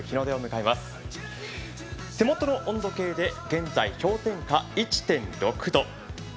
手元の温度計で現在氷点下１．６度。